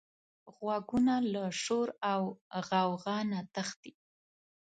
غوږونه له شور او غوغا نه تښتي